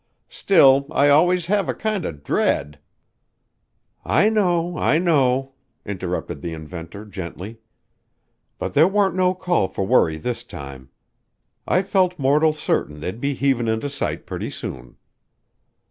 Still, I always have a kind of dread " "I know, I know," interrupted the inventor gently. "But there warn't no call for worry this time. I felt mortal certain they'd be heavin' into sight pretty soon."